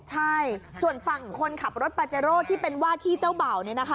ใช่ส่วนฝั่งคนขับรถปาเจโร่ที่เป็นว่าที่เจ้าเบ่า